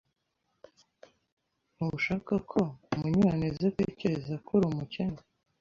Ntushaka ko Munyanezatekereza ko uri umukene.